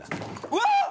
うわーっ！